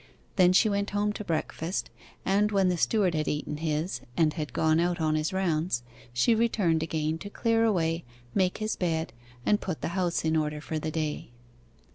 Then she went home to breakfast; and when the steward had eaten his, and had gone out on his rounds, she returned again to clear away, make his bed, and put the house in order for the day.